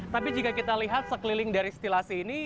tapi jika kita lihat sekeliling dari stilasi ini